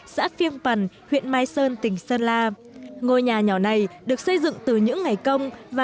xã phiêng pần huyện mai sơn tỉnh sơn la ngôi nhà nhỏ này được xây dựng từ những ngày công và